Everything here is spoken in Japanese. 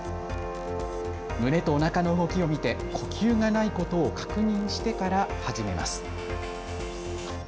胸とおなかの動きを見て呼吸がないことを確認してから始めます。